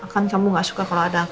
kan kamu gak suka kalau ada